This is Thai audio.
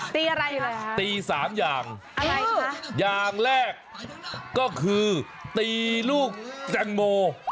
ตีอะไรเลยครับตีสามอย่างอย่างแรกก็คือตีลูกแจงโม